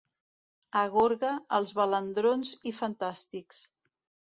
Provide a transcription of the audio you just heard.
A Gorga, els balandrons i fantàstics.